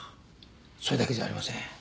それだけじゃありません。